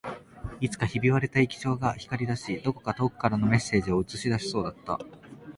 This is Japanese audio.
いつかひび割れた液晶が光り出し、どこか遠くからのメッセージを映し出しそうだった